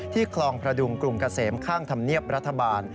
คลองกระดุงกรุงเกษมข้างธรรมเนียบรัฐบาล